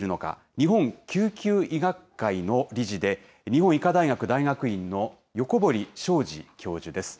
日本救急医学会の理事で、日本医科大学大学院の横堀將司教授です。